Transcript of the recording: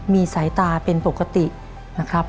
มีสายตาเป็นปกตินะครับ